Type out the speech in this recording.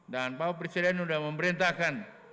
dan pak presiden sudah memerintahkan